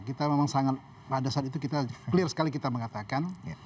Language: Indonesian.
kita memang sangat pada saat itu kita clear sekali kita mengatakan